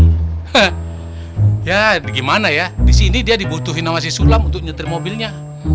ya gimana ya disini dia dibutuhin namanya sulam untuk nyetir mobilnya